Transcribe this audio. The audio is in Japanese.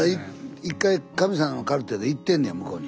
一回「神様のカルテ」で行ってんねや向こうに。